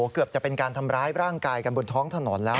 เกือบจะเป็นการทำร้ายร่างกายกันบนท้องถนนแล้ว